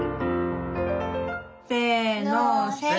せのせ。